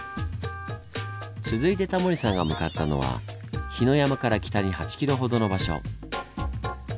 続いてタモリさんが向かったのは「火の山」から北に８ｋｍほどの場所。